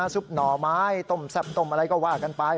ซุปหน่อไม้ต้มแซ่บต้มอะไรก็ว่ากันไป